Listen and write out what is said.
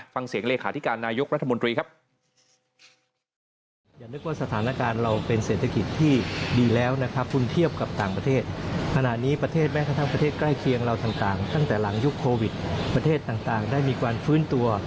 ฟังเสียงเลขาธิการนายกรัฐมนตรีครับ